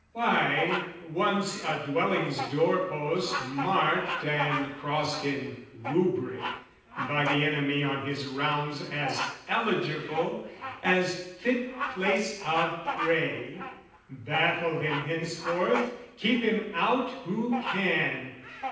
Why, once a dwelling's doorpost marked and crossed In rubric by the enemy on his rounds As eligible, as fit place of prey, Baffle him henceforth, keep him out who can!